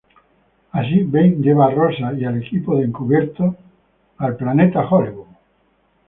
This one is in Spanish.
Así Ben lleva a Rosa y al equipo de encubiertos al Planet Hollywood.